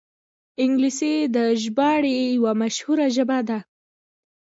انګلیسي د ژباړې یوه مشهوره ژبه ده